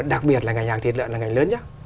đặc biệt là ngành hàng thịt lợn là ngành lớn nhé